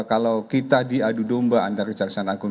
kalau kita diadu domba antara kejaksaan agung